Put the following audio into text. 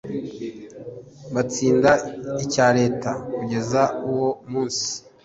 batsinda icya leta kugeza uwo munsi